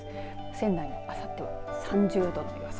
仙台もあさっては３０度の予想。